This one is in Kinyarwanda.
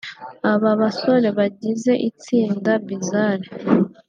Aba basore bagize itsinda Bizarre